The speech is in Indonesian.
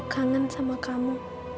cinta sama kamu